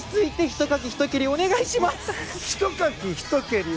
ひとかき、ひと蹴りお願いします。